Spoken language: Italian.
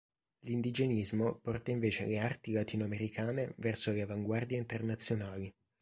L'indigenismo porta invece le arti latinoamericane verso le avanguardie internazionali.